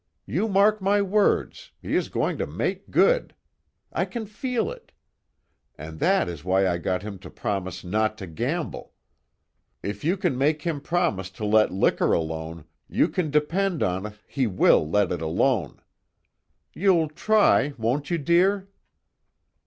"You mark my words, he is going to make good. I can feel it. And that is why I got him to promise not to gamble. If you can make him promise to let liquor alone you can depend on it he will let it alone. You'll try won't you dear?"